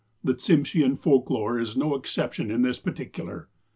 The Tsimsheau folk lore is no exception in this partic ular.